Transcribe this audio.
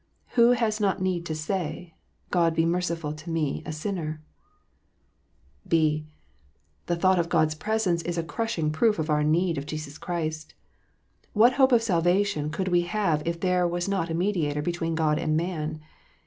"Who has not need to say, " God be merciful to me a sinner " 1 (b) The thought of God s presence is a crushing proof of our need of Jesus Christ. What hope of salvation could we have if there was not a Mediator between God and man